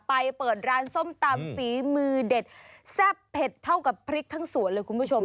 เปิดร้านส้มตำฝีมือเด็ดแซ่บเผ็ดเท่ากับพริกทั้งสวนเลยคุณผู้ชม